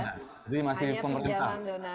jadi masih pemerintah